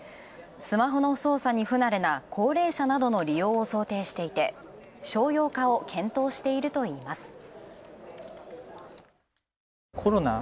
スマホの操作に不慣れな高齢者などの利用を想定していて、商用化を検討しているといいます。